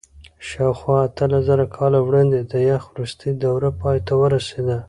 شاوخوا اتلسزره کاله وړاندې د یخ وروستۍ دوره پای ته ورسېده.